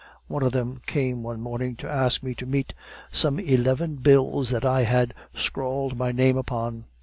One of them came one morning to ask me to meet some eleven bills that I had scrawled my name upon.